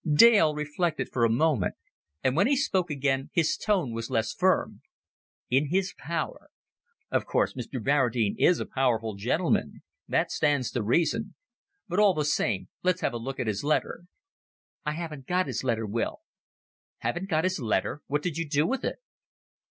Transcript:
Dale reflected for a moment, and when he spoke again his tone was less firm. "In his power! Of course Mr. Barradine is a powerful gentleman. That stands to reason; but all the same Let's have a look at his letter." "I haven't got his letter, Will." "Haven't got his letter? What did you do with it?